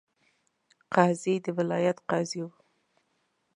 قاضي د ولایت قاضي وو.